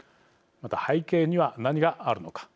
背景には何があるのか。